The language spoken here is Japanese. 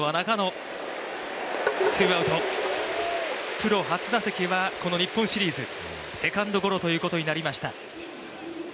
プロ初打席はこの日本シリーズ、セカンドゴロということになりました。